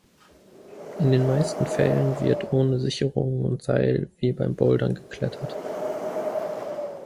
In den meisten Fällen wird ohne Sicherungen und Seil, wie beim Bouldern, geklettert.